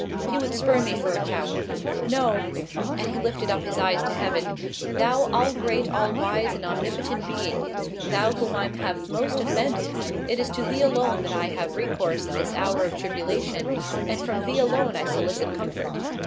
He would spurn me for a coward. No"——(and he lifted up his eyes to Heaven) "Thou all great, all wise and omnipotent Being, Thou whom I have most offended, it is to Thee alone that I have recourse in this hour of tribulation, and from Thee alone I solicit comfort.